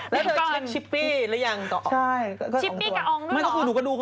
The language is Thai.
แล้วก็เช็กชิปปี้เลยหรือยัง